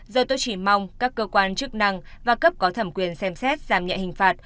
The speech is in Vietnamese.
giờ tôi chỉ mong các cơ quan chức năng và cấp có thẩm quyền xem xét giảm nhẹ hình phạt